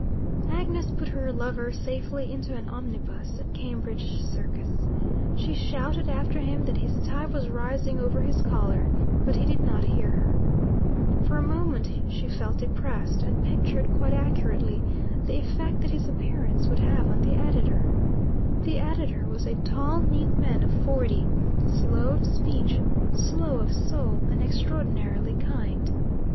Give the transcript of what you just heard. Agnes put her lover safely into an omnibus at Cambridge Circus. She shouted after him that his tie was rising over his collar, but he did not hear her. For a moment she felt depressed, and pictured quite accurately the effect that his appearance would have on the editor. The editor was a tall neat man of forty, slow of speech, slow of soul, and extraordinarily kind.